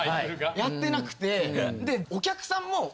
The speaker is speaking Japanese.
やってなくてで。